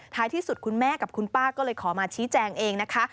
ที่สุดคุณแม่กับคุณป้าก็เลยขอมาชี้แจงเองนะคะ